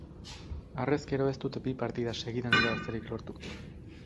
Harrezkero ez dute bi partida segidan irabazterik lortu.